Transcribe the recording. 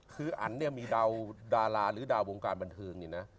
คืออันดีมีดาวดาราหรือดาววงการบรรทึง